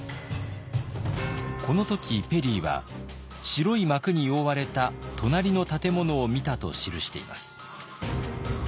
この時ペリーは白い幕に覆われた隣の建物を見たと記しています。